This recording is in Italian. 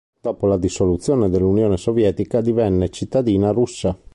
Dopo la dissoluzione dell'Unione Sovietica divenne cittadina russa.